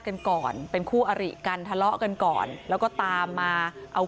กันก่อนเป็นคู่อริกันทะเลาะกันก่อนแล้วก็ตามมาเอา